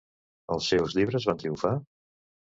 Els seus llibres van triomfar?